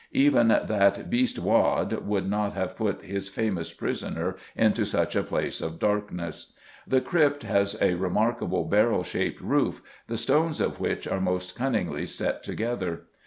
Even "that beast Waad" would not have put his famous prisoner into such a place of darkness. The crypt has a remarkable barrel shaped roof, the stones of which are most cunningly set together.